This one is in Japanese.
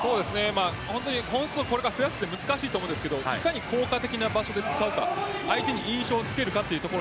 本数を増やすのは難しいところですがいかに効果的な場所で使うか相手に印象づけるかというところ。